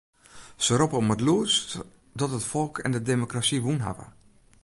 Se roppe om it lûdst dat it folk en de demokrasy wûn hawwe.